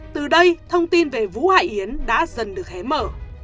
từ đây thông tin về vũ hải yến đã dần được hé mở